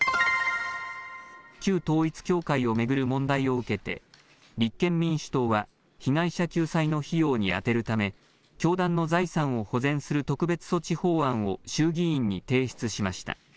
旧統一教会を巡る問題を受けて立憲民主党は被害者救済の費用に充てるため教団の財産を保全する特別措置法案を衆議院に提出しました。